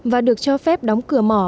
và được cho phép đóng cửa mỏ